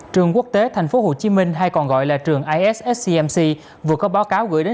trường quốc tế tp hcm hay còn gọi là trường issmc vừa có báo cáo gửi đến